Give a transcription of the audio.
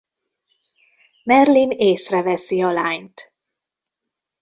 Merlin észreveszi a lányt.